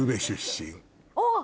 あっ！